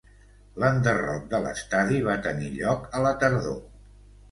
L'enderroc de l'estadi va tenir lloc a la tardor.